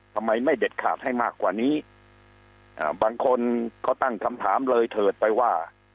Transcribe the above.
ทำไมไม่เด็ดขาดให้มากกว่านี้อ่าบางคนก็ตั้งคำถามเลยเถิดไปว่า